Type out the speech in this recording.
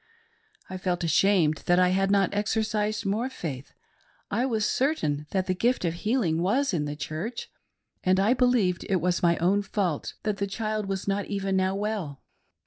I felt ashamed that I had not exercised more faith ; I was certain that the gift of healing was in the Church, and I believed it was my own fault that the child was not even now well.